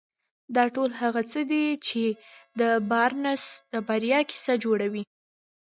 دا ټول هغه څه دي چې د بارنس د بريا کيسه جوړوي.